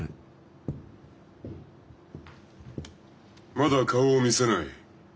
まだ顔を見せない？